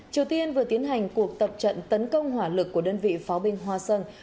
triều tiên vừa tiến hành cuộc tập trận tấn công hỏa lực của đơn vị pháo binh hoa sơn